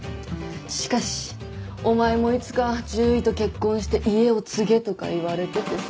しかし「お前もいつか獣医と結婚して家を継げ」とか言われててさ。